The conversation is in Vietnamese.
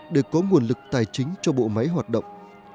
để có nguồn lực tài chính cho bộ máy hoạt động